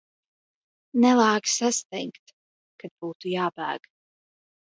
Nelāgi sastingt, kad būtu jābēg.